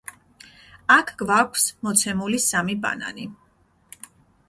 აქ გვაქვს მოცემული სამი ბანანი.